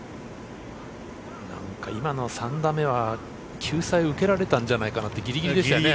なんか今の３打目は、救済を受けられたんじゃないかなってぎりぎりでしたね。